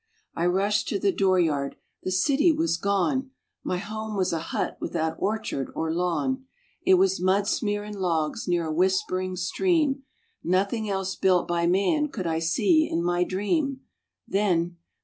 I rushed to the door yard. The city was gone. My home was a hut without orchard or lawn. It was mud smear and logs near a whispering stream, Nothing else built by man could I see in my dream. .. Then